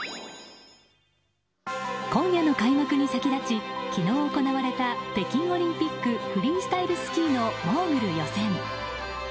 今夜の開幕に先立ち昨日行われた北京オリンピックフリースタイルスキーのモーグル予選。